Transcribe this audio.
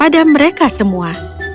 dan mereka semua